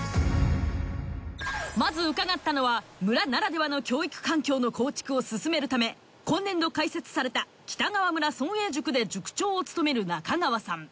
まず伺ったのは村ならではの教育環境の構築を進めるため今年度開設された北川村村営塾で塾長を務める中川さん。